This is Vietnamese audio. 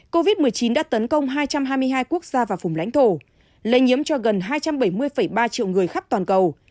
covid một mươi chín đã tấn công hai trăm hai mươi hai quốc gia và vùng lãnh thổ lây nhiễm cho gần hai trăm bảy mươi ba triệu người khắp toàn cầu